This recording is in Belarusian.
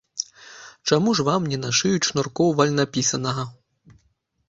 Чаму ж вам не нашыюць шнуркоў вальнапісанага?